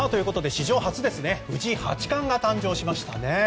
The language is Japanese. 史上初藤井八冠が誕生しましたね。